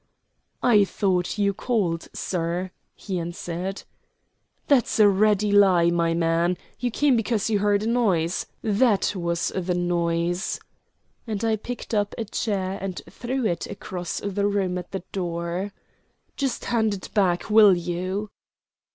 "I thought you called, sir," he answered. "That's a ready lie, my man. You came because you heard a noise. That was the noise," and I picked up a chair and threw it across the room at the door. "Just hand it back, will you?"